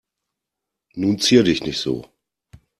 Nun zier dich nicht so.